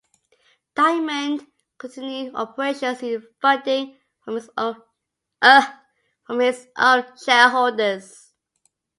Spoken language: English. Diamond continued operations, using funding from its own shareholders.